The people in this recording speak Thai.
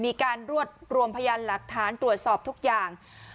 มีการรวบรวมพยานหลักฐานตรวจสอบทุกอย่าง